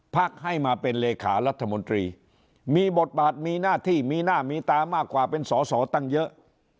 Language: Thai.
ให้มาเป็นเลขารัฐมนตรีมีบทบาทมีหน้าที่มีหน้ามีตามากกว่าเป็นสอสอตั้งเยอะ